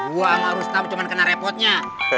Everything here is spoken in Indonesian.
bu sama rustam cuma kena repotnya